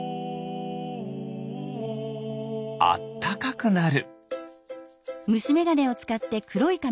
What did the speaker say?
あったかくなる。